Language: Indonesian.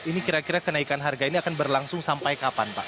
ini kira kira kenaikan harga ini akan berlangsung sampai kapan pak